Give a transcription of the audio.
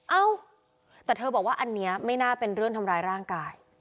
เอ้าแต่เธอบอกว่าอันนี้ไม่น่าเป็นเรื่องทำร้ายร่างกาย